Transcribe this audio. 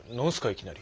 いきなり。